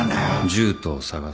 ジュートを捜す。